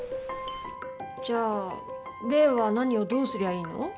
じゃあ怜は何をどうすりゃいいの？